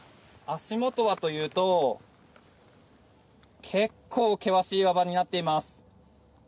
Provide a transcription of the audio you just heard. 足元はというと結構、険しい岩場になっています。